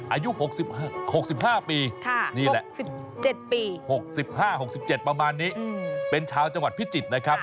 อายุ๖๕ปีนี่แหละ๑๗ปี๖๕๖๗ประมาณนี้เป็นชาวจังหวัดพิจิตรนะครับ